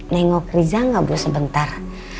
nengok riza gak bu sebentar